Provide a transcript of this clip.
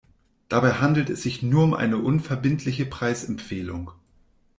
Dabei handelt es sich nur um eine unverbindliche Preisempfehlung.